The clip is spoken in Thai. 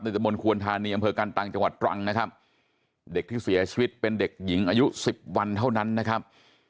ในจังหวัดตรังนะครับเด็กที่เสียชีวิตเป็นเด็กหญิงอายุ๑๐วันเท่านั้นนะครับ